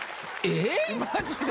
マジで。